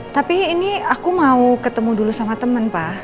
tapi ini aku mau ketemu dulu sama temen pak